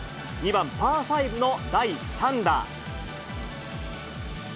２番パー５の第３打。